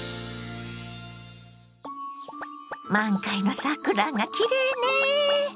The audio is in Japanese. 満開の桜がきれいね。